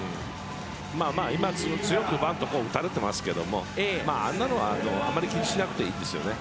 今、強く打たれていますけどあんなのはあまり気にしなくていいですね。